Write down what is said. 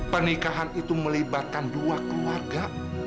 pernikahan itu melibatkan dua keluarga